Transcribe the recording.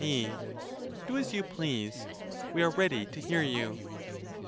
' A, Do as you please: we are ready to hear you.